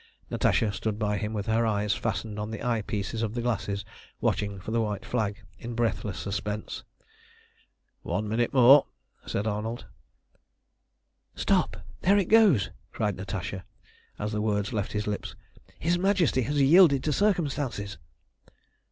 Natasha stood by him with her eyes fastened to the eye pieces of the glasses watching for the white flag in breathless suspense. "One minute more!" said Arnold. "Stop, there it goes!" cried Natasha as the words left his lips. "His Majesty has yielded to circumstances!"